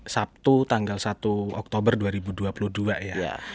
sabtu tanggal satu oktober dua ribu dua puluh dua ya